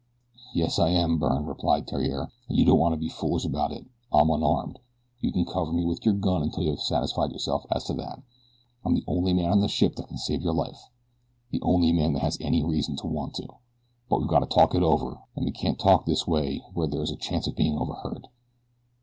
"Yes I am, Byrne," replied Theriere, "and you don't want to be foolish about it. I'm unarmed. You can cover me with your gun until you have satisfied yourself as to that. I'm the only man on the ship that can save your life the only man that has any reason to want to; but we've got to talk it over and we can't talk this way where there's a chance of being overheard.